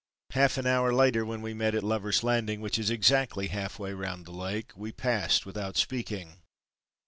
Half an hour later when we met at Lover's Landing which is exactly half way round the Lake we passed without speaking.